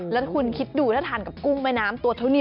แล้วคุณคิดดูถ้าทานกับกุ้งแม่น้ำตัวเท่านี้